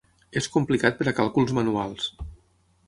És complicat per a càlculs manuals.